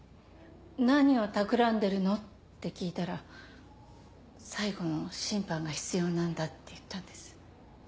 何をたくらんでるの？って聞いたら最後の審判が必要なんだって言ったんです。